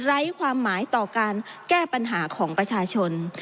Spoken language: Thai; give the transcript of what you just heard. ไร้ความหมายต่อการแก้ปัญหาของประชาชน